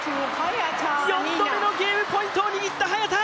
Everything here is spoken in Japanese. ４度目のゲームポイントを握った早田！